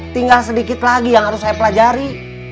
tinggal sedikit lagi yang harus saya pelajari